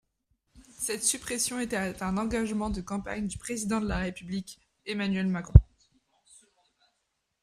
Cette suppression était un engagement de campagne du Président de la République, Emmanuel Macron.